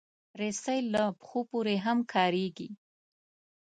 رسۍ له پښو پورې هم کارېږي.